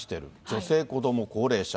女性、子ども、高齢者。